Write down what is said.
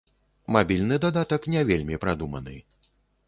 Мабільны дадатак не вельмі прадуманы.